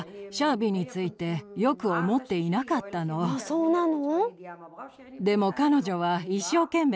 そうなの？